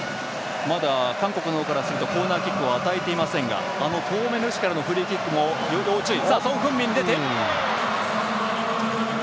まだ韓国の方からするとコーナーキックを与えていませんが遠目の位置からのフリーキックも要注意。